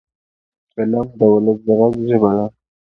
فلم د ولس د غږ ژباړه ده